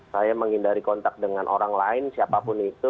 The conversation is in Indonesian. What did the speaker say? saya menghindari kontak dengan orang lain siapapun itu